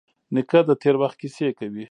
نیکه د تېر وخت کیسې کوي.